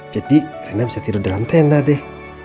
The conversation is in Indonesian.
jadi rena bisa tidur di dalam tenda deh